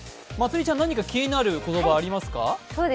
まつりちゃん何か気になる言葉ありますか？